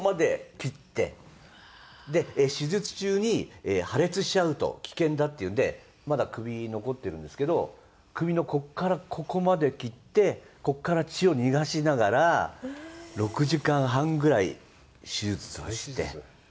手術中に破裂しちゃうと危険だっていうんでまだ首に残ってるんですけど首のここからここまで切ってここから血を逃がしながら６時間半ぐらい手術をして。